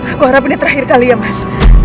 aku harap ini terakhir kali ya mas